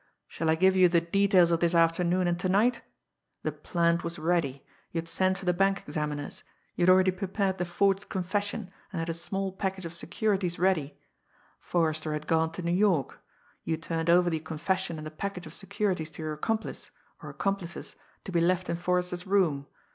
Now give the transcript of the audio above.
Shall I give you the details of this afternoon and to night? The plant was ready. You had sent for the bank examiners. You had already prepared the forged confession, and had a small package of securities ready. Forrester had gone to New York. You turned over the confession and the package of securities to your accomplice, or accomplices, to be left in Forrester's room.